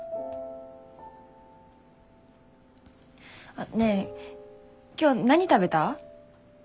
あっねぇ今日何食べた？